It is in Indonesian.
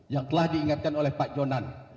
yang telah diingatkan oleh pak jonan